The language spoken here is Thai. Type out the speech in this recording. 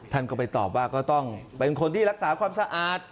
ท่านก็ไปตอบว่าก็ต้องเป็นคนที่รักษาความสะอาด